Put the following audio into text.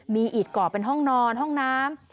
มีอีดเกาะเป็นห้องนอนห้องน้ำ